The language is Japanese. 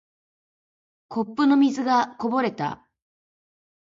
コップの水がこぼれた。